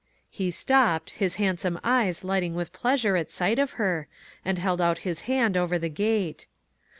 He stopped, his handsome eyes lighting with pleasure at sight of her, arid held out his hand over the gate.